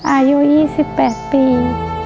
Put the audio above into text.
อายุ๒๘ปี